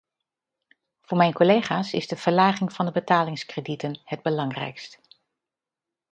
Voor mijn collega's is de verlaging van de betalingskredieten het belangrijkst.